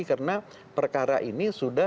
karena perkara ini sudah